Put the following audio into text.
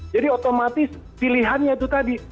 jadi otomatis pilihannya itu tadi